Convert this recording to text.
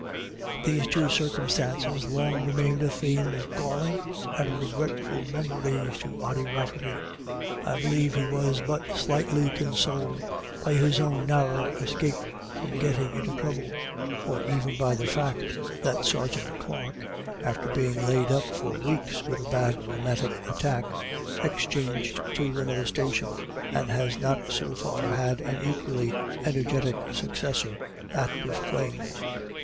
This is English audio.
These two circumstances long remained a theme of galling and regretful memories to Ody RaflTerty. I believe he was but slightly consoled by his own GOT THE BETTER OF. 133 narrow escape from getiing into trouble, or even by the fact that Sergeant Clarke, after being laid up for weeks with a bad rheumatic attack, ex changed to another station, and has not so far had an equally energetic successor at Duffclane.